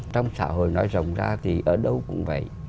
trong xã hội nói rồng ra thì ở đâu cũng vậy